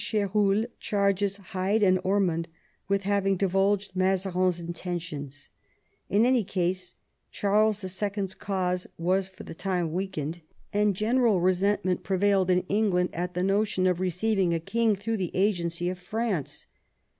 Ch^ruel charges Hyde and Ormond with having divulged Mazarin's intentions. In any case, Charles II. 's cause was for the time weakened, and general resentment prevailed in VIII THE PEACE OF THE PYRENEES 167 England at the notion of receiving a king through the agency of France.